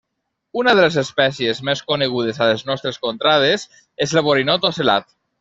Una de les espècies més conegudes a les nostres contrades és el borinot ocel·lat.